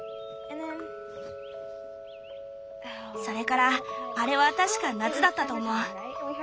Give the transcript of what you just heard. それからあれは確か夏だったと思う。